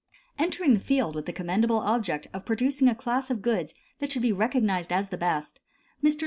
Entering the field with the commendable object of producing a class of goods that should be recognized as the best, Messrs.